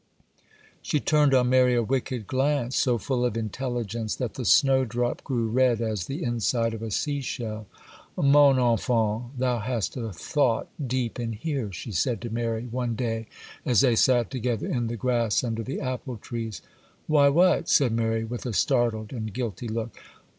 She turned on Mary a wicked glance, so full of intelligence that the snowdrop grew red as the inside of a sea shell. 'Mon enfant! thou hast a thought deep in here!' she said to Mary, one day, as they sat together in the grass under the apple trees. 'Why, what?' said Mary, with a startled and guilty look.